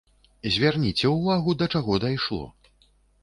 Звярніце ўвагу да чаго дайшло.